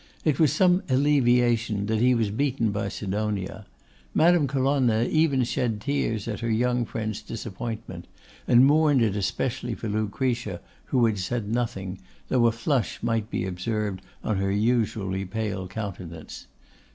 It was some alleviation that he was beaten by Sidonia. Madame Colonna even shed tears at her young friend's disappointment, and mourned it especially for Lucretia, who had said nothing, though a flush might be observed on her usually pale countenance.